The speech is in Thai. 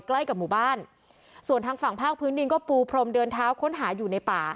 ใกล้กับหมู่บ้านส่วนทางฝั่งภาคพื้นดินก็ปูพรมเดินเท้าค้นหาอยู่ในป่า